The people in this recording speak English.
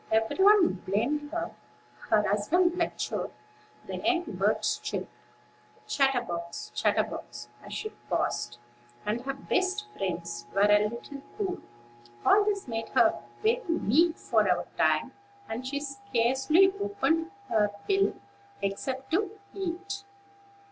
Every one blamed her. Her husband lectured; the young birds chirped, "Chatterbox, chatterbox," as she passed; and her best friends were a little cool. All this made her very meek for a time; and she scarcely opened her bill, except to eat.